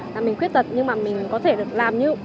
là mình quyết tật nhưng mà mình có thể làm như